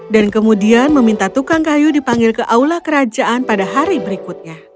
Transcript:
dan kemudian meminta tukang kayu dipanggil ke aula kerajaan pada hari berikutnya